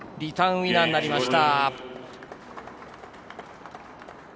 リターン、ウィナーになりました。